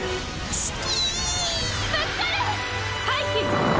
シキ！